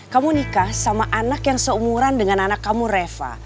kamu nikah sama anak yang seumuran dengan anak kamu reva